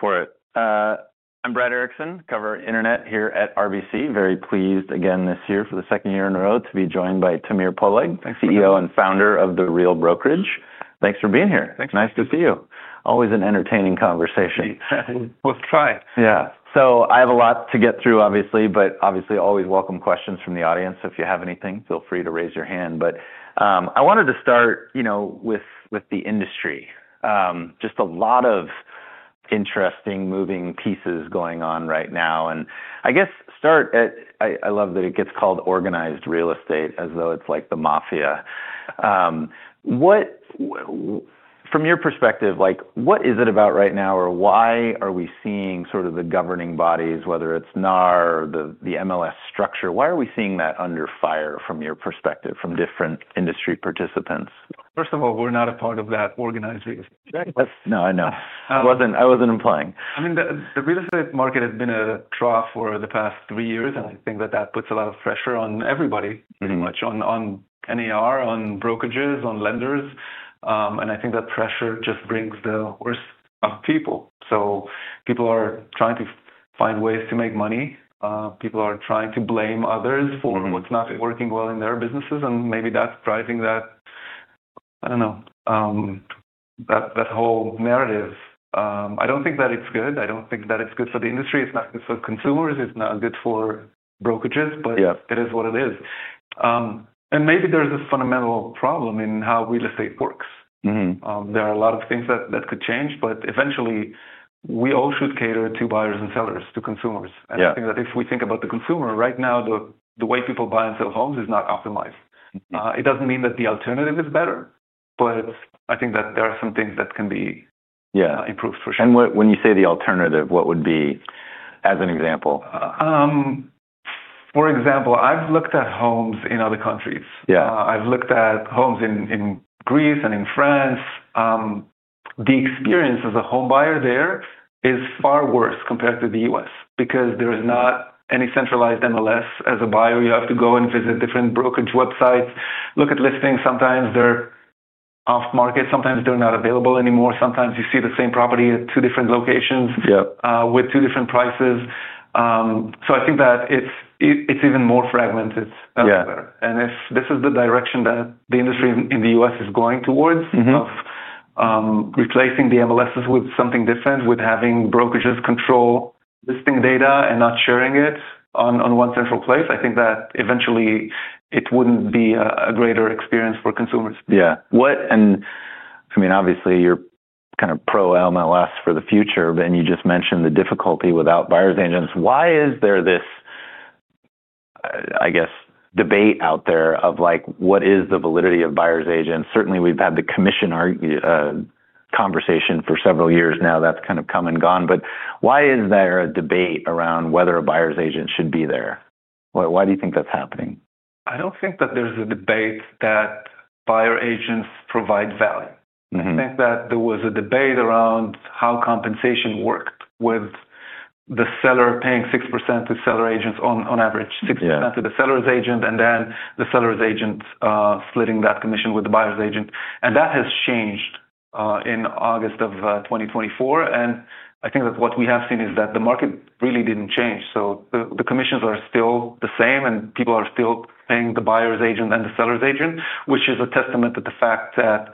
For it. I'm Brad Erickson, cover internet here at RBC. Very pleased, again this year, for the second year in a row, to be joined by Tamir Poleg, CEO and Founder of The Real Brokerage. Thanks for being here. Thanks for having me. Nice to see you. Always an entertaining conversation. We'll try. Yeah. I have a lot to get through, obviously, but obviously always welcome questions from the audience. If you have anything, feel free to raise your hand. I wanted to start, you know, with the industry. Just a lot of interesting moving pieces going on right now. I guess start at, I love that it gets called organized real estate, as though it's like the mafia. What, from your perspective, like, what is it about right now, or why are we seeing sort of the governing bodies, whether it's NAR or the MLS structure? Why are we seeing that under fire from your perspective, from different industry participants? First of all, we're not a part of that organized real estate. No, I know. I wasn't, I wasn't implying. I mean, the real estate market has been a trough for the past three years, and I think that that puts a lot of pressure on everybody, pretty much, on NAR, on brokerages, on lenders. I think that pressure just brings the worst of people. People are trying to find ways to make money. People are trying to blame others for what's not working well in their businesses, and maybe that's driving that, I don't know, that whole narrative. I don't think that it's good. I don't think that it's good for the industry. It's not good for consumers. It's not good for brokerages, but it is what it is. I think maybe there's a fundamental problem in how real estate works. Mm-hmm. There are a lot of things that could change, but eventually we all should cater to buyers and sellers, to consumers. Yeah. I think that if we think about the consumer right now, the way people buy and sell homes is not optimized. It doesn't mean that the alternative is better, but I think that there are some things that can be. Yeah. Improved for sure. When you say the alternative, what would be, as an example? For example, I've looked at homes in other countries. Yeah. I've looked at homes in Greece and in France. The experience as a home buyer there is far worse compared to the U.S. because there is not any centralized MLS. As a buyer, you have to go and visit different brokerage websites, look at listings. Sometimes they're off-market. Sometimes they're not available anymore. Sometimes you see the same property at two different locations. Yeah. with two different prices. I think that it's, it's even more fragmented. Yeah. If this is the direction that the industry in the U.S. is going towards. Mm-hmm. Of replacing the MLSs with something different, with having brokerages control listing data and not sharing it on one central place, I think that eventually it wouldn't be a greater experience for consumers. Yeah. What, and I mean, obviously you're kind of pro-MLS for the future, but you just mentioned the difficulty without buyer's agents. Why is there this, I guess, debate out there of like, what is the validity of buyer's agents? Certainly we've had the commission argument, conversation for several years now. That's kind of come and gone. Why is there a debate around whether a buyer's agent should be there? Why, why do you think that's happening? I don't think that there's a debate that buyer agents provide value. Mm-hmm. I think that there was a debate around how compensation worked with the seller paying 6% to seller agents on, on average, 6% to the seller's agent, and then the seller's agent splitting that commission with the buyer's agent. That has changed, in August of 2024. I think that what we have seen is that the market really didn't change. The commissions are still the same, and people are still paying the buyer's agent and the seller's agent, which is a testament to the fact that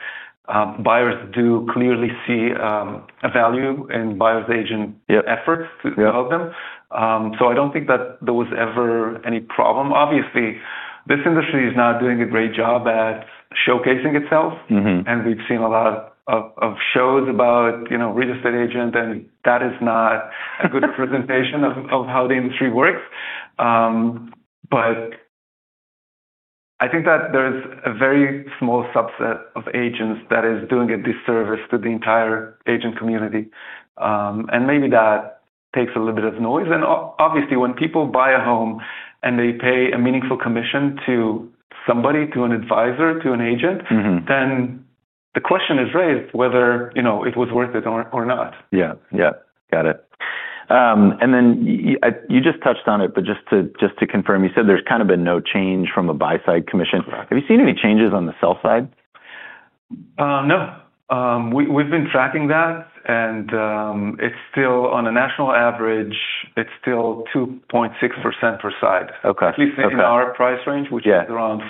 buyers do clearly see a value in buyer's agent. Yeah. Efforts to develop them. I don't think that there was ever any problem. Obviously, this industry is not doing a great job at showcasing itself. Mm-hmm. We have seen a lot of shows about, you know, real estate agent, and that is not a good presentation of how the industry works. I think that there is a very small subset of agents that is doing a disservice to the entire agent community. Maybe that takes a little bit of noise. Obviously, when people buy a home and they pay a meaningful commission to somebody, to an advisor, to an agent. Mm-hmm. The question is raised whether, you know, it was worth it or, or not. Yeah. Yeah. Got it. And then you just touched on it, but just to confirm, you said there's kind of been no change from a buy-side commission. Correct. Have you seen any changes on the sell side? No. We've been tracking that, and it's still, on a national average, it's still 2.6% per side. Okay. At least in our price range, which is around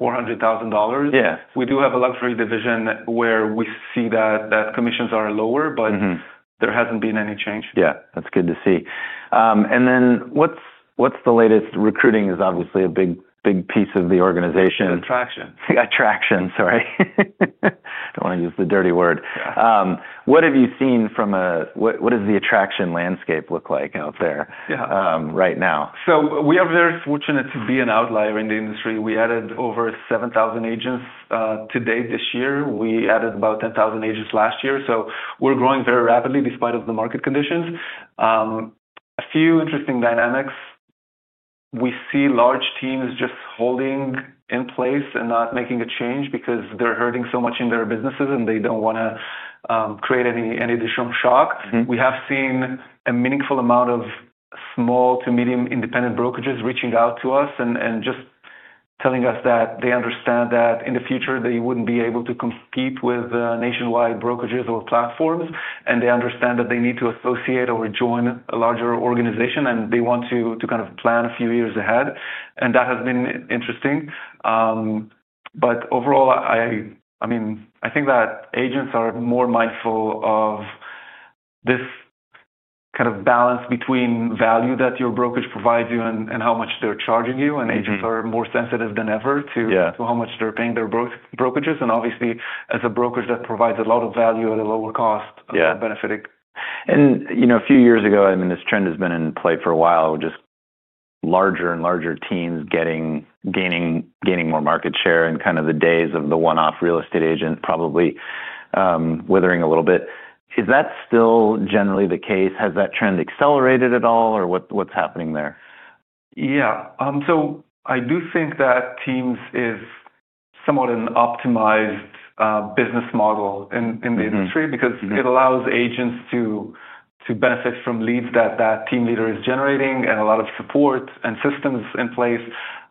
$400,000. Yeah. We do have a luxury division where we see that commissions are lower, but. Mm-hmm. There hasn't been any change. Yeah. That's good to see. And then what's, what's the latest? Recruiting is obviously a big, big piece of the organization. Attraction. Attraction. Sorry. Don't wanna use the dirty word. What have you seen from a, what, what does the attraction landscape look like out there? Yeah. right now. We are very fortunate to be an outlier in the industry. We added over 7,000 agents to date this year. We added about 10,000 agents last year. We are growing very rapidly despite the market conditions. A few interesting dynamics. We see large teams just holding in place and not making a change because they're hurting so much in their businesses, and they don't wanna create any additional shock. Mm-hmm. We have seen a meaningful amount of small to medium independent brokerages reaching out to us and just telling us that they understand that in the future they would not be able to compete with nationwide brokerages or platforms, and they understand that they need to associate or join a larger organization, and they want to kind of plan a few years ahead. That has been interesting. I mean, I think that agents are more mindful of this kind of balance between value that your brokerage provides you and how much they are charging you. Agents are more sensitive than ever to. Yeah. To how much they're paying their brokerages. Obviously, as a brokerage that provides a lot of value at a lower cost. Yeah. It's benefiting. You know, a few years ago, I mean, this trend has been in play for a while, just larger and larger teams gaining more market share, and kind of the days of the one-off real estate agent probably withering a little bit. Is that still generally the case? Has that trend accelerated at all, or what's happening there? Yeah. I do think that Teams is somewhat an optimized business model in the industry. Mm-hmm. Because it allows agents to benefit from leads that team leader is generating and a lot of support and systems in place.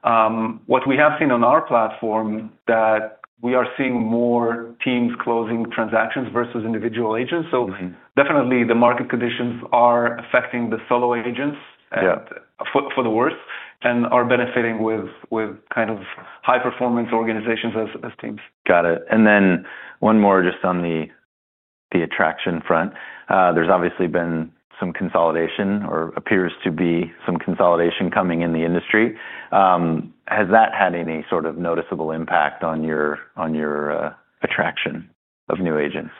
What we have seen on our platform, that we are seeing more teams closing transactions versus individual agents. Mm-hmm. Definitely the market conditions are affecting the solo agents. Yeah. For the worst, and are benefiting with kind of high-performance organizations as teams. Got it. And then one more, just on the attraction front. There's obviously been some consolidation or appears to be some consolidation coming in the industry. Has that had any sort of noticeable impact on your attraction of new agents?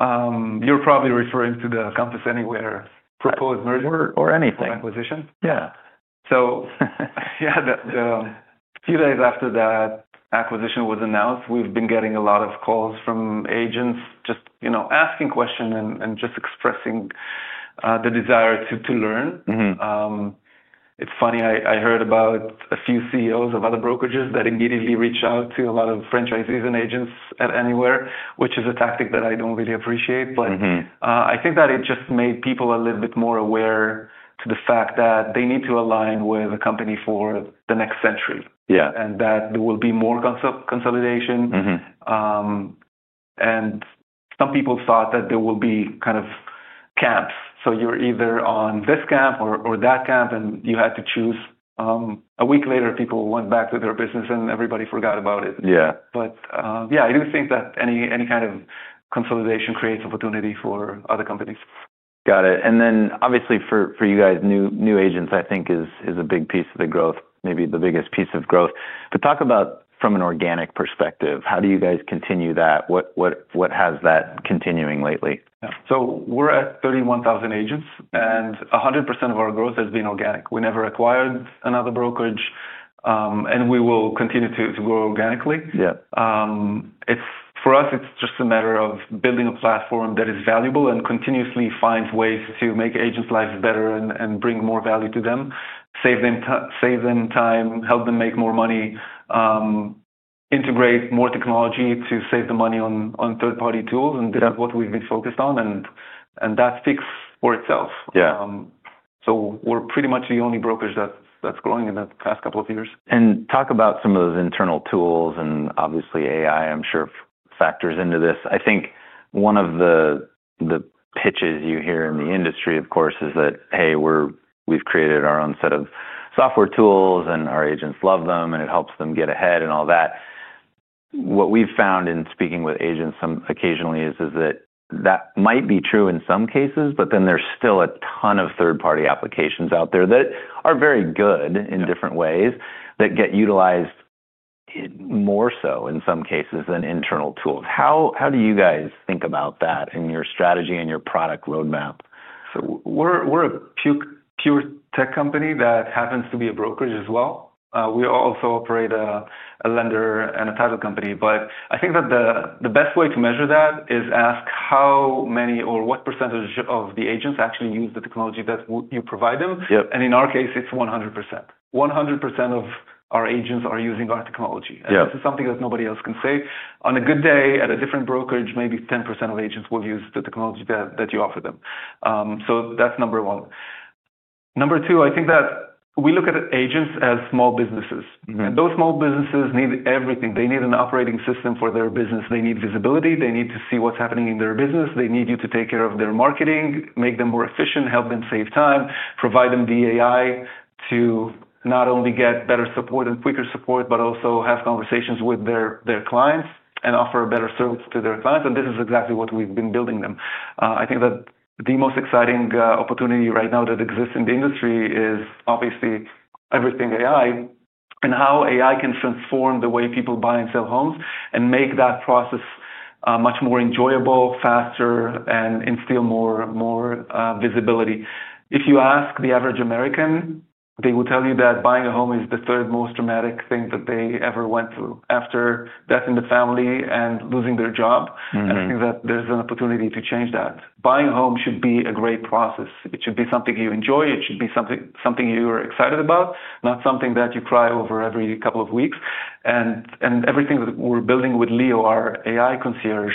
you're probably referring to the Compass-Anywhere proposed merger. Or, or anything. Acquisition. Yeah. Yeah, the few days after that acquisition was announced, we've been getting a lot of calls from agents just, you know, asking questions and just expressing the desire to learn. Mm-hmm. It's funny, I heard about a few CEOs of other brokerages that immediately reached out to a lot of franchisees and agents at Anywhere, which is a tactic that I don't really appreciate. Mm-hmm. I think that it just made people a little bit more aware to the fact that they need to align with a company for the next century. Yeah. There will be more consolidation. Mm-hmm. Some people thought that there will be kind of camps. You are either on this camp or that camp, and you had to choose. A week later, people went back to their business, and everybody forgot about it. Yeah. Yeah, I do think that any kind of consolidation creates opportunity for other companies. Got it. For you guys, new agents, I think, is a big piece of the growth, maybe the biggest piece of growth. Talk about from an organic perspective. How do you guys continue that? What has that continuing lately? Yeah. So we're at 31,000 agents, and 100% of our growth has been organic. We never acquired another brokerage, and we will continue to grow organically. Yeah. It's for us, it's just a matter of building a platform that is valuable and continuously finds ways to make agents' lives better and bring more value to them, save them time, help them make more money, integrate more technology to save them money on third-party tools. Yeah. This is what we've been focused on, and that speaks for itself. Yeah. We're pretty much the only brokerage that's growing in the past couple of years. Talk about some of those internal tools, and obviously AI, I'm sure, factors into this. I think one of the pitches you hear in the industry, of course, is that, "Hey, we've created our own set of software tools, and our agents love them, and it helps them get ahead and all that." What we've found in speaking with agents occasionally is that that might be true in some cases, but then there's still a ton of third-party applications out there that are very good in different ways. Mm-hmm. That get utilized more so in some cases than internal tools. How do you guys think about that in your strategy and your product roadmap? We're a pure tech company that happens to be a brokerage as well. We also operate a lender and a title company. I think that the best way to measure that is ask how many or what percentage of the agents actually use the technology that you provide them. Yeah. In our case, it's 100%. 100% of our agents are using our technology. Yeah. This is something that nobody else can say. On a good day, at a different brokerage, maybe 10% of agents will use the technology that you offer them. That is number one. Number two, I think that we look at agents as small businesses. Mm-hmm. Those small businesses need everything. They need an operating system for their business. They need visibility. They need to see what's happening in their business. They need you to take care of their marketing, make them more efficient, help them save time, provide them the AI to not only get better support and quicker support, but also have conversations with their clients and offer a better service to their clients. This is exactly what we've been building them. I think that the most exciting opportunity right now that exists in the industry is obviously everything AI and how AI can transform the way people buy and sell homes and make that process much more enjoyable, faster, and instill more visibility. If you ask the average American, they will tell you that buying a home is the third most dramatic thing that they ever went through after death in the family and losing their job. Mm-hmm. I think that there's an opportunity to change that. Buying a home should be a great process. It should be something you enjoy. It should be something you're excited about, not something that you cry over every couple of weeks. Everything that we're building with Leo, our AI concierge,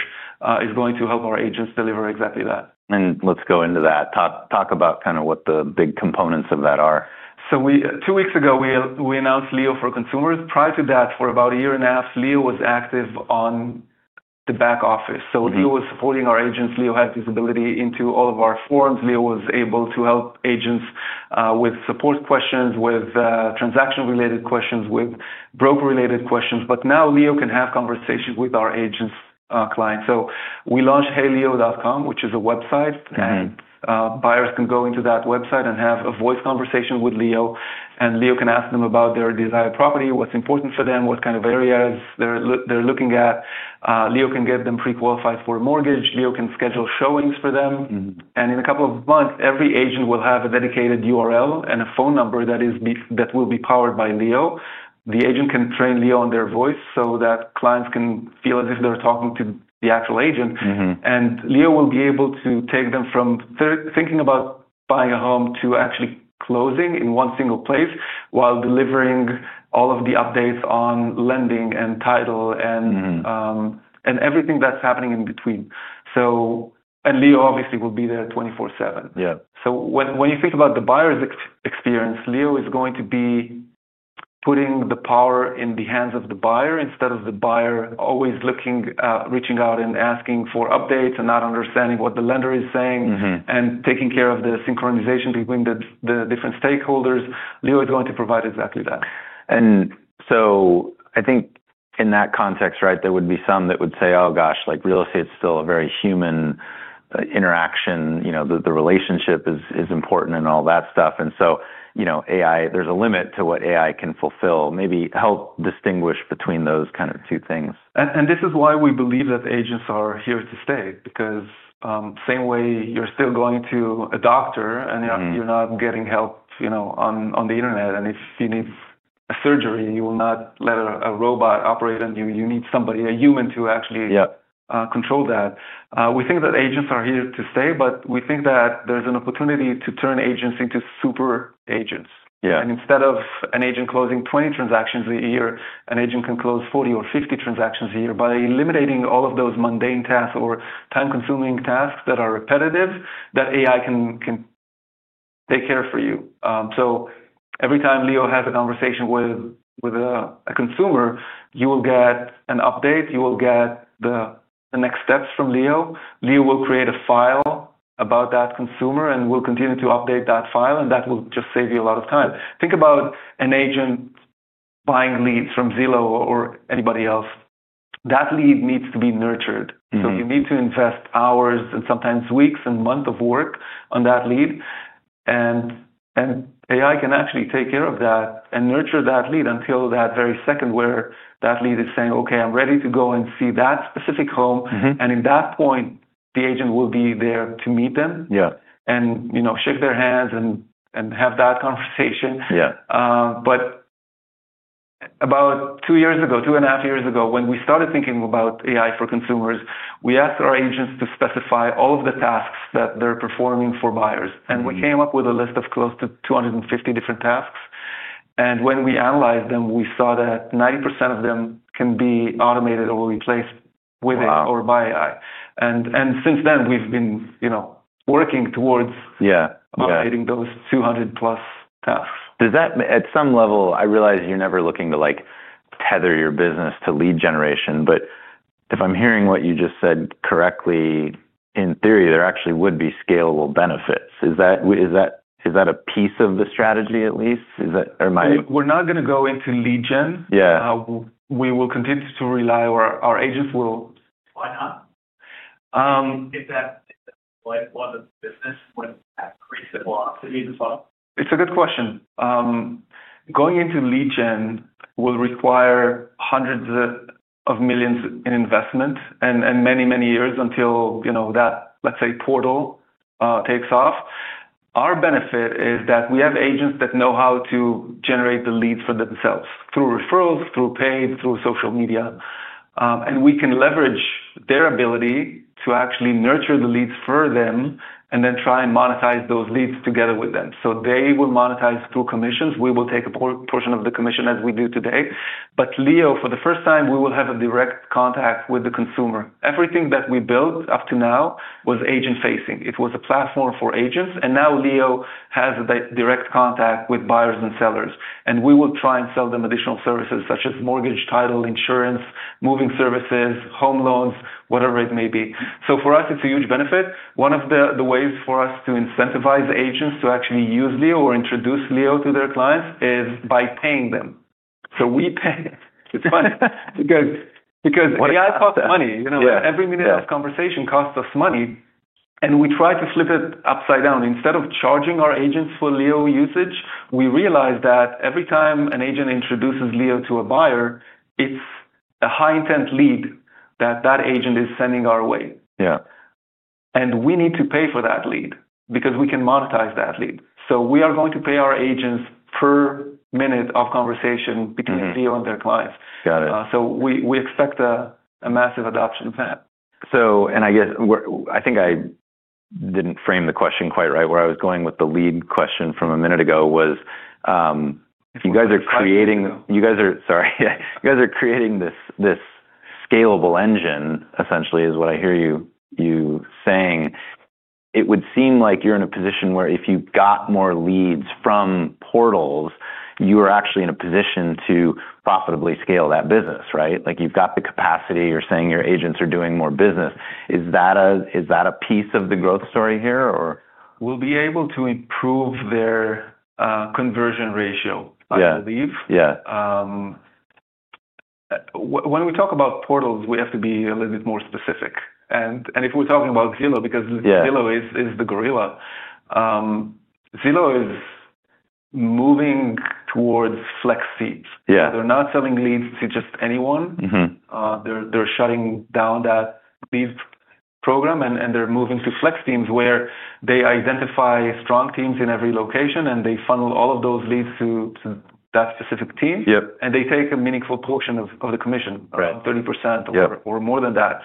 is going to help our agents deliver exactly that. Let's go into that. Talk, talk about kind of what the big components of that are. Two weeks ago, we announced Leo for consumers. Prior to that, for about a year and a half, Leo was active on the back office. Mm-hmm. Leo was supporting our agents. Leo had visibility into all of our forms. Leo was able to help agents with support questions, with transaction-related questions, with broker-related questions. Now Leo can have conversations with our agents' clients. We launched heyleo.com, which is a website. Mm-hmm. Buyers can go into that website and have a voice conversation with Leo, and Leo can ask them about their desired property, what's important for them, what kind of areas they're looking at. Leo can get them pre-qualified for a mortgage. Leo can schedule showings for them. Mm-hmm. In a couple of months, every agent will have a dedicated URL and a phone number that will be powered by Leo. The agent can train Leo on their voice so that clients can feel as if they're talking to the actual agent. Mm-hmm. Leo will be able to take them from thinking about buying a home to actually closing in one single place while delivering all of the updates on lending and title. Mm-hmm. and everything that's happening in between. Leo obviously will be there 24/7. Yeah. When you think about the buyer's experience, Leo is going to be putting the power in the hands of the buyer instead of the buyer always looking, reaching out and asking for updates and not understanding what the lender is saying. Mm-hmm. Taking care of the synchronization between the different stakeholders, Leo is going to provide exactly that. I think in that context, right, there would be some that would say, "Oh gosh, like real estate's still a very human interaction. You know, the relationship is important and all that stuff." You know, AI, there's a limit to what AI can fulfill. Maybe help distinguish between those kind of two things. This is why we believe that agents are here to stay because, same way you're still going to a doctor and you're. Mm-hmm. You're not getting help, you know, on the internet. And if you need a surgery, you will not let a robot operate on you. You need somebody, a human to actually. Yeah. Control that. We think that agents are here to stay, but we think that there's an opportunity to turn agents into super agents. Yeah. Instead of an agent closing 20 transactions a year, an agent can close 40 or 50 transactions a year. By eliminating all of those mundane tasks or time-consuming tasks that are repetitive, that AI can take care of for you. Every time Leo has a conversation with a consumer, you will get an update. You will get the next steps from Leo. Leo will create a file about that consumer and will continue to update that file, and that will just save you a lot of time. Think about an agent buying leads from Zillow or anybody else. That lead needs to be nurtured. Mm-hmm. You need to invest hours and sometimes weeks and months of work on that lead. And AI can actually take care of that and nurture that lead until that very second where that lead is saying, "Okay, I'm ready to go and see that specific home. Mm-hmm. At that point, the agent will be there to meet them. Yeah. You know, shake their hands and have that conversation. Yeah. About two years ago, two and a half years ago, when we started thinking about AI for consumers, we asked our agents to specify all of the tasks that they're performing for buyers. Mm-hmm. We came up with a list of close to 250 different tasks. When we analyzed them, we saw that 90% of them can be automated or replaced with. Wow. Or by AI. And since then, we've been, you know, working towards. Yeah. Updating those 200-plus tasks. Does that, at some level, I realize you're never looking to, like, tether your business to lead generation, but if I'm hearing what you just said correctly, in theory, there actually would be scalable benefits. Is that, is that a piece of the strategy at least? Is that, or am I. We're not going to go into lead gen. Yeah. we will continue to rely or our agents will. Why not? Is that what the business would increase the velocity as well? It's a good question. Going into lead gen will require hundreds of millions in investment and many, many years until, you know, that, let's say, portal, takes off. Our benefit is that we have agents that know how to generate the leads for themselves through referrals, through paid, through social media. We can leverage their ability to actually nurture the leads for them and then try and monetize those leads together with them. They will monetize through commissions. We will take a portion of the commission as we do today. Leo, for the first time, we will have a direct contact with the consumer. Everything that we built up to now was agent-facing. It was a platform for agents. Now Leo has a direct contact with buyers and sellers. We will try and sell them additional services such as mortgage, title, insurance, moving services, home loans, whatever it may be. For us, it's a huge benefit. One of the ways for us to incentivize agents to actually use Leo or introduce Leo to their clients is by paying them. We pay. It's funny because AI costs money. Yeah. You know, every minute of conversation costs us money. We try to flip it upside down. Instead of charging our agents for Leo usage, we realize that every time an agent introduces Leo to a buyer, it's a high-intent lead that that agent is sending our way. Yeah. We need to pay for that lead because we can monetize that lead. We are going to pay our agents per minute of conversation between. Yeah. Leo and their clients. Got it. We expect a massive adoption of that. I guess we're, I think I didn't frame the question quite right. Where I was going with the lead question from a minute ago was, if you guys are creating. I'm sorry. You guys are, sorry. You guys are creating this scalable engine, essentially, is what I hear you saying. It would seem like you're in a position where if you got more leads from portals, you are actually in a position to profitably scale that business, right? Like you've got the capacity, you're saying your agents are doing more business. Is that a piece of the growth story here or? We'll be able to improve their conversion ratio. Yeah. I believe. Yeah. When we talk about portals, we have to be a little bit more specific. And if we're talking about Zillow, because. Yeah. Zillow is the gorilla. Zillow is moving towards flex seats. Yeah. They're not selling leads to just anyone. Mm-hmm. They're shutting down that lead program, and they're moving to flex teams where they identify strong teams in every location, and they funnel all of those leads to that specific team. Yep. They take a meaningful portion of the commission. Right. Around 30% or. Yeah. Or more than that.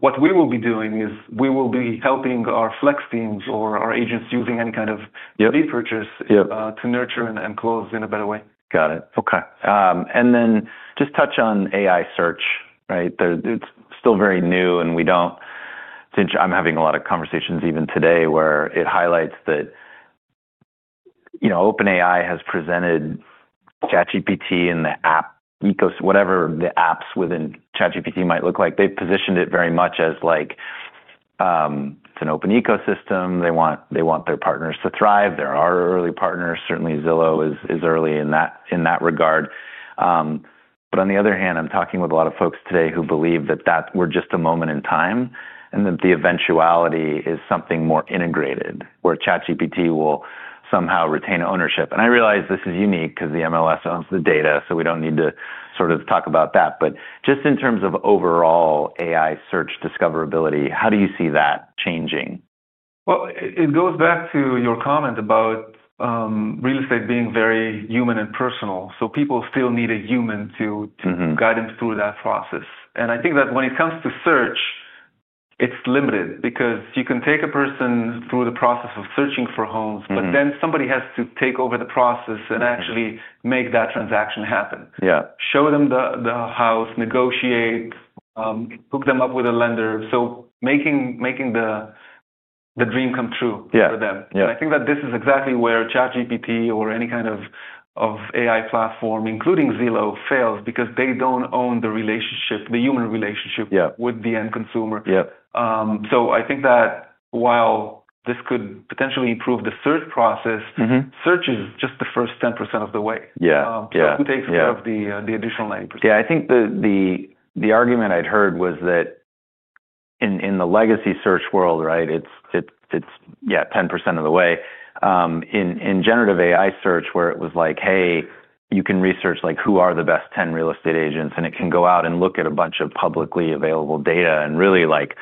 What we will be doing is we will be helping our flex teams or our agents using any kind of. Yep. Lead purchase. Yep. to nurture and close in a better way. Got it. Okay. And then just touch on AI search, right? There, it's still very new, and we don't, I'm having a lot of conversations even today where it highlights that, you know, OpenAI has presented ChatGPT and the app ecosystem, whatever the apps within ChatGPT might look like. They've positioned it very much as like, it's an open ecosystem. They want, they want their partners to thrive. There are early partners. Certainly, Zillow is early in that, in that regard. On the other hand, I'm talking with a lot of folks today who believe that we're just a moment in time and that the eventuality is something more integrated where ChatGPT will somehow retain ownership. I realize this is unique because the MLS owns the data, so we don't need to sort of talk about that. Just in terms of overall AI search discoverability, how do you see that changing? It goes back to your comment about real estate being very human and personal. People still need a human to. Mm-hmm. To guide them through that process. I think that when it comes to search, it's limited because you can take a person through the process of searching for homes. Mm-hmm. Somebody has to take over the process and actually. Mm-hmm. Make that transaction happen. Yeah. Show them the house, negotiate, hook them up with a lender. Making the dream come true. Yeah. For them. Yeah. I think that this is exactly where ChatGPT or any kind of AI platform, including Zillow, fails because they don't own the relationship, the human relationship. Yeah. With the end consumer. Yeah. I think that while this could potentially improve the search process. Mm-hmm. Search is just the first 10% of the way. Yeah. Who takes care of the additional 90%? Yeah. I think the argument I'd heard was that in the legacy search world, right, it's, yeah, 10% of the way. In generative AI search where it was like, "Hey, you can research like who are the best 10 real estate agents," and it can go out and look at a bunch of publicly available data and really like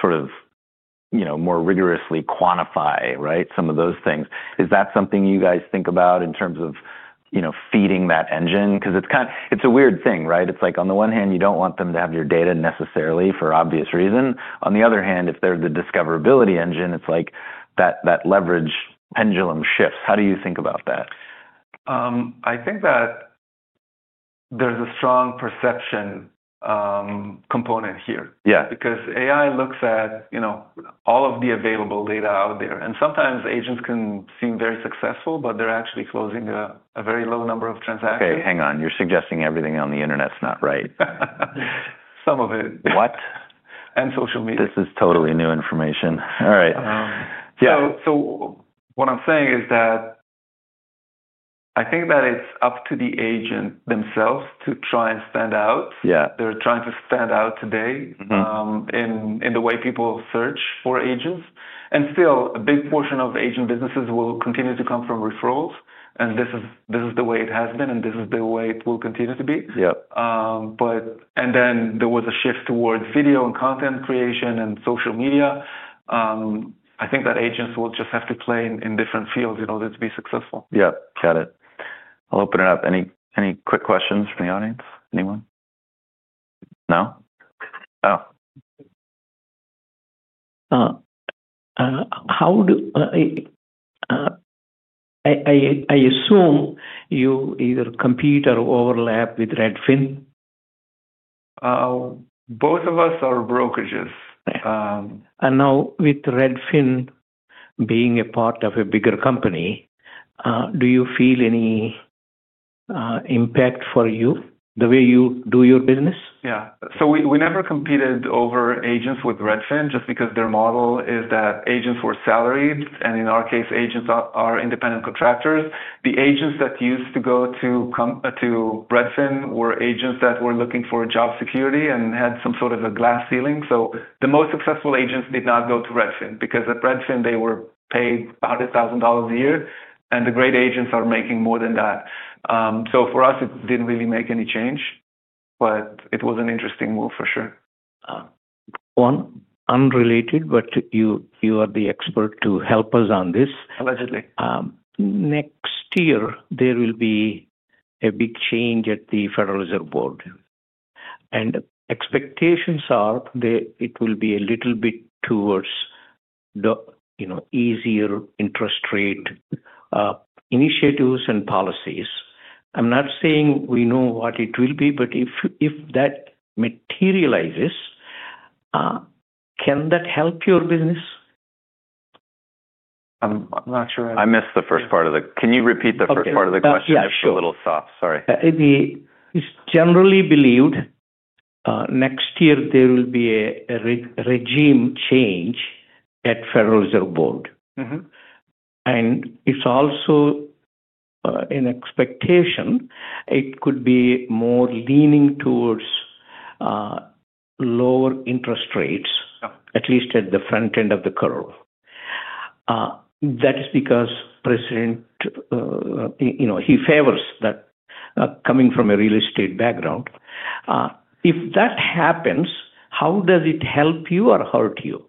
sort of, you know, more rigorously quantify, right, some of those things. Is that something you guys think about in terms of, you know, feeding that engine? Because it's kind of, it's a weird thing, right? It's like on the one hand, you don't want them to have your data necessarily for obvious reason. On the other hand, if they're the discoverability engine, it's like that leverage pendulum shifts. How do you think about that? I think that there's a strong perception component here. Yeah. Because AI looks at, you know, all of the available data out there. Sometimes agents can seem very successful, but they're actually closing a very low number of transactions. Okay. Hang on. You're suggesting everything on the internet's not right? Some of it. What? Social media. This is totally new information. All right. Yeah. What I'm saying is that I think that it's up to the agent themselves to try and stand out. Yeah. They're trying to stand out today. Mm-hmm. In the way people search for agents. Still, a big portion of agent businesses will continue to come from referrals. This is the way it has been, and this is the way it will continue to be. Yep. But, and then there was a shift towards video and content creation and social media. I think that agents will just have to play in, in different fields in order to be successful. Yep. Got it. I'll open it up. Any quick questions from the audience? Anyone? No? Oh. How do, I assume you either compete or overlap with Redfin? Both of us are brokerages. Now with Redfin being a part of a bigger company, do you feel any impact for you, the way you do your business? Yeah. We never competed over agents with Redfin just because their model is that agents were salaried. In our case, agents are independent contractors. The agents that used to go to Redfin were agents that were looking for job security and had some sort of a glass ceiling. The most successful agents did not go to Redfin because at Redfin, they were paid $100,000 a year. The great agents are making more than that. For us, it did not really make any change, but it was an interesting move for sure. One unrelated, but you are the expert to help us on this. Allegedly. Next year, there will be a big change at the Federal Reserve Board. Expectations are there it will be a little bit towards the, you know, easier interest rate initiatives and policies. I'm not saying we know what it will be, but if, if that materializes, can that help your business? I'm not sure. I missed the first part of the, can you repeat the first part of the question? Yes, yes. I'm just a little soft, sorry. It is generally believed, next year there will be a regime change at Federal Reserve Board. Mm-hmm. It's also an expectation it could be more leaning towards lower interest rates. Yeah. At least at the front end of the curve. That is because President, you know, he favors that, coming from a real estate background. If that happens, how does it help you or hurt you?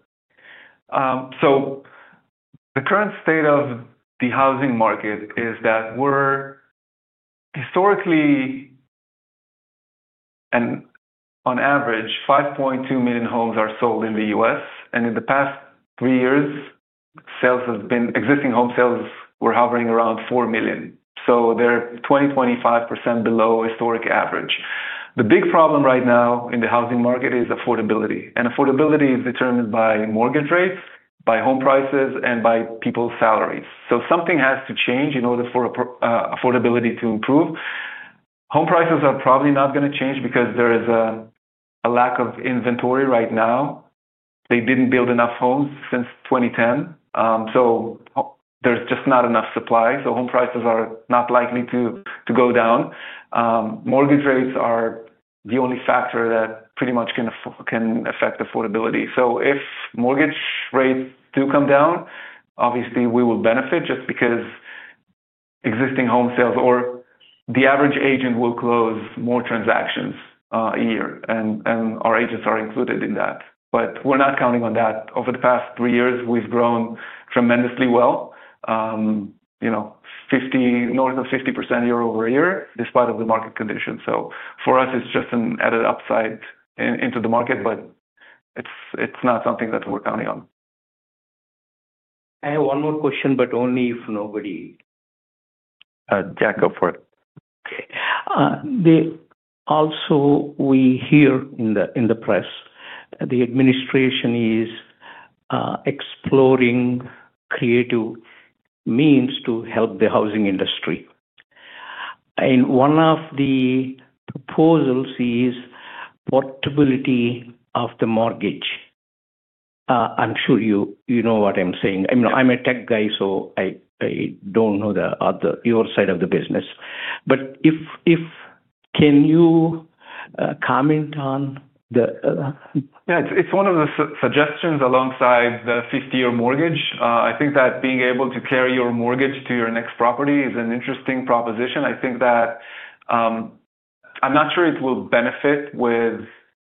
The current state of the housing market is that we're historically, and on average, 5.2 million homes are sold in the U.S. In the past three years, existing home sales were hovering around 4 million. They're 20%-25% below historic average. The big problem right now in the housing market is affordability. Affordability is determined by mortgage rates, by home prices, and by people's salaries. Something has to change in order for affordability to improve. Home prices are probably not going to change because there is a lack of inventory right now. They didn't build enough homes since 2010, so there's just not enough supply. Home prices are not likely to go down. Mortgage rates are the only factor that pretty much can affect affordability. If mortgage rates do come down, obviously we will benefit just because existing home sales or the average agent will close more transactions a year, and our agents are included in that. But we're not counting on that. Over the past three years, we've grown tremendously well, you know, 50%, north of 50% year-over-year despite the market conditions. For us, it's just an added upside into the market, but it's not something that we're counting on. I have one more question, but only if nobody. Jack, go for it. We also hear in the, in the press, the administration is exploring creative means to help the housing industry. One of the proposals is portability of the mortgage. I'm sure you, you know what I'm saying. I mean, I'm a tech guy, so I, I don't know your side of the business. If, if you can, can you comment on the, Yeah. It's one of the suggestions alongside the 50-year mortgage. I think that being able to carry your mortgage to your next property is an interesting proposition. I think that, I'm not sure it will benefit with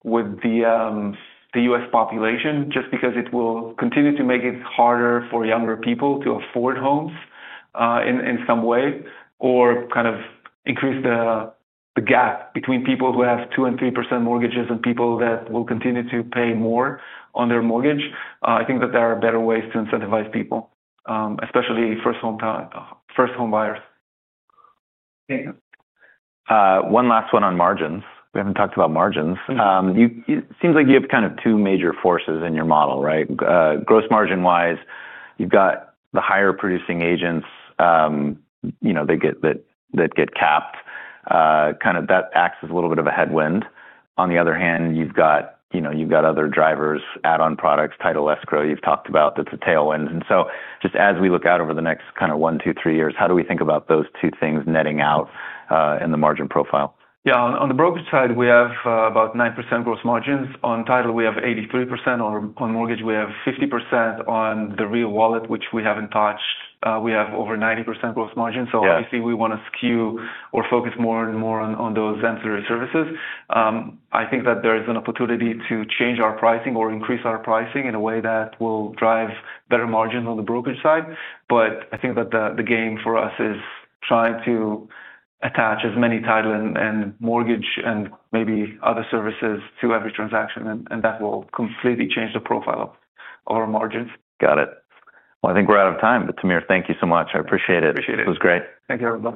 the U.S. population just because it will continue to make it harder for younger people to afford homes, in some way or kind of increase the gap between people who have 2% and 3% mortgages and people that will continue to pay more on their mortgage. I think that there are better ways to incentivize people, especially first home time, first home buyers. Thank you. One last one on margins. We have not talked about margins. You, you seem like you have kind of two major forces in your model, right? Gross margin-wise, you have got the higher producing agents, you know, they get that, that get capped. Kind of that acts as a little bit of a headwind. On the other hand, you have got, you know, you have got other drivers, add-on products, title, escrow you have talked about, that is a tailwind. Just as we look out over the next kind of one, two, three years, how do we think about those two things netting out in the margin profile? Yeah. On, on the brokerage side, we have about 9% gross margins. On title, we have 83%. On, on mortgage, we have 50%. On the Real Wallet, which we haven't touched, we have over 90% gross margin. Yeah. Obviously we want to skew or focus more and more on those ancillary services. I think that there is an opportunity to change our pricing or increase our pricing in a way that will drive better margins on the brokerage side. I think that the game for us is trying to attach as many title and mortgage and maybe other services to every transaction. That will completely change the profile of our margins. Got it. I think we're out of time, but Tamir, thank you so much. I appreciate it. Appreciate it. It was great. Thank you.